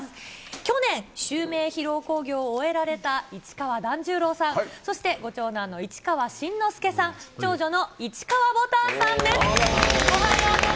去年、襲名披露興行を終えられた市川團十郎さん、そして、ご長男の市川新之助さん、長女の市川ぼたんさんです。